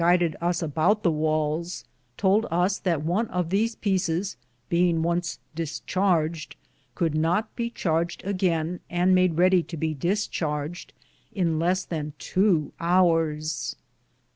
gided us aboute the Wales tould us that one of these peecis, beinge once discharged, could not be charged a gaine, and made Reddie to be discharged, in less than tow houres.